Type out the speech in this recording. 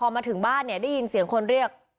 พอมาถึงบ้านเนี่ยได้ยินเสียงคนเรียก